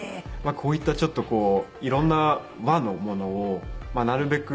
こういったちょっとこう色んな和のものをなるべく。